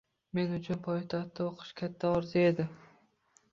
Men uchun poytaxtda o‘qish katta orzu edi.